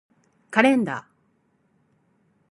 カレンダー